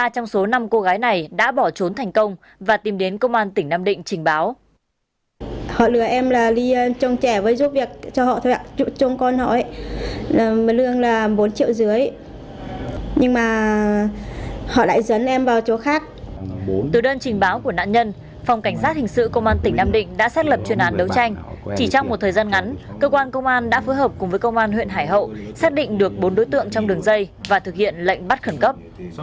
chỉ trong một thời gian ngắn cơ quan công an đã phối hợp cùng với công an huyện hải hậu xác định được bốn đối tượng trong đường dây và thực hiện lệnh bắt khẩn cấp